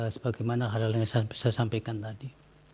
sebagaimana hal hal yang saya sampaikan tadi